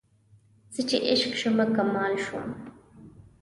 زه چې عشق شومه کمال شوم